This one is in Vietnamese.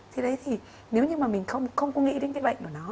thì đấy thì nếu như mình không nghĩ đến cái bệnh của nó